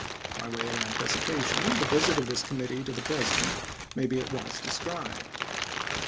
By way of anticipation the Yisit of this committee to the President may be at once described.